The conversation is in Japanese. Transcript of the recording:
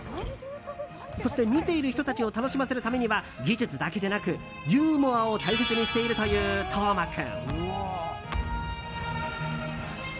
そして、見ている人たちを楽しませるためには技術だけでなくユーモアを大切にしているという橙真君。